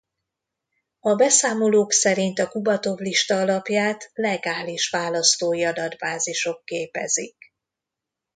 A beszámolók szerint a Kubatov-lista alapját legális választói adatbázisok képezik.